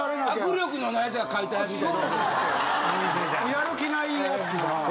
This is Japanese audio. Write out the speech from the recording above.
やる気無いやつが。